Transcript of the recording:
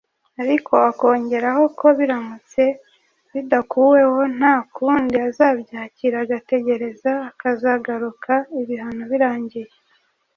ariko akongeraho ko biramutse bidakuweho nta kundi azabyakira agategereza akazagaruka ibihano birangiye